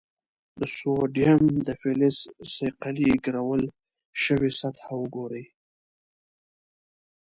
د سوډیم د فلز صیقلي ګرول شوې سطحه وګورئ.